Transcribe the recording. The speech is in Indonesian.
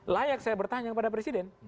layak saya bertanya kepada presiden